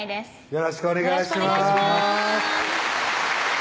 よろしくお願いします